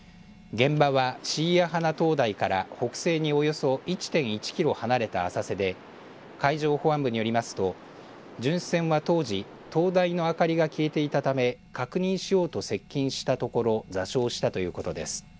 現場は椎谷鼻灯台から北西におよそ１．１キロ離れた浅瀬で海上保安部によりますと巡視船は当時、灯台の明かりが消えていたため確認しようと接近したところ座礁したということです。